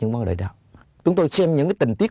mơ đời đạo chúng tôi xem những tình tiết